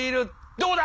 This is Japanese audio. どうだ！